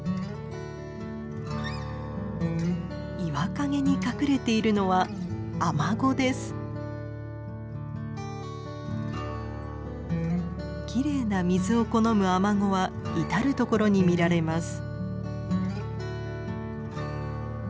岩陰に隠れているのはきれいな水を好むアマゴは至る所に見られます。